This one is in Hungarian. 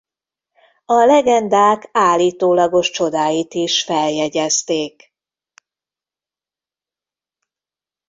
A legendák állítólagos csodáit is feljegyezték.